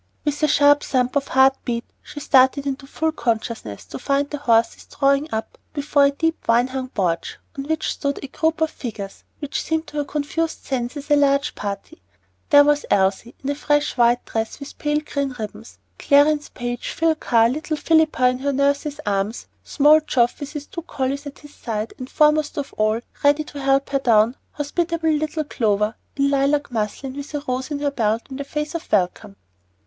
With a sharp thump of heart beat she started into full consciousness to find the horses drawing up before a deep vine hung porch, on which stood a group of figures which seemed to her confused senses a large party. There was Elsie in a fresh white dress with pale green ribbons, Clarence Page, Phil Carr, little Philippa in her nurse's arms, small Geoff with his two collies at his side, and foremost of all, ready to help her down, hospitable little Clover, in lilac muslin, with a rose in her belt and a face of welcome.